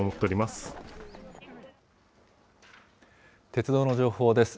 鉄道の情報です。